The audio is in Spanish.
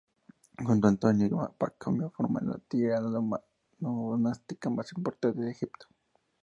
Junto a Antonio y Pacomio forman la tríada monástica más importante de Egipto.